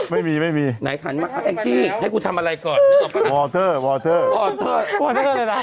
เพราะฉะนั้นหูต่อสู้กับเป็น